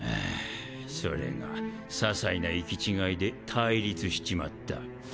それがささいな行き違いで対立しちまった。